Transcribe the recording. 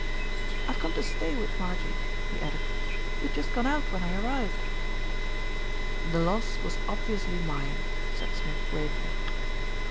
"I've come to stay with Marjie," he added. "You'd just gone out when I arrived." "The loss was obviously mine," said Smith gravely.